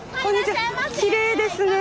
きれいですね。